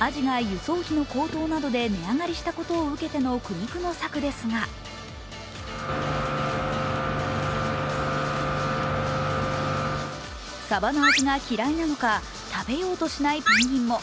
あじが輸送費の高騰などで値上がりしたことを受けての苦肉の策ですがサバの味が嫌いなのか、食べようとしないペンギンも。